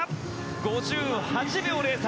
５８秒０３！